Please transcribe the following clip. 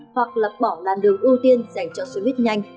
hoặc lập bỏ làn đường ưu tiên dành cho xe buýt nhanh